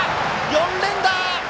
４連打！